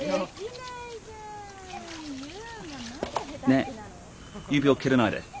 ねえ指を切らないで。